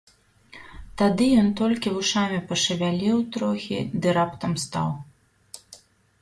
Тады ён толькі вушамі пашавяліў трохі ды раптам стаў.